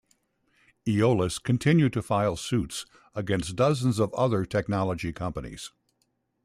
Eolas continued to file suits against dozens of other technology companies.